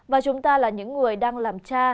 và chúng ta là những người đang làm cha